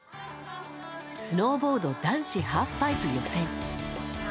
スノーボード男子ハーフパイプ予選。